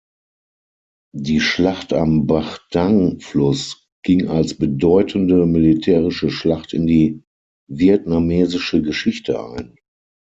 Die Schlacht am Bạch-Đằng-Fluss ging als bedeutende militärische Schlacht in die vietnamesische Geschichte ein.